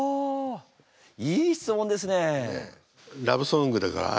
いい質問ですね。